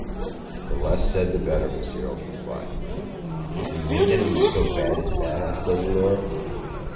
"The less said the better," was the Earl's reply. "Do you mean that it was so bad as that?" asked Lady Laura.